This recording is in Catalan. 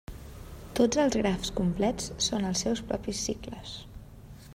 Tots els grafs complets són els seus propis cicles.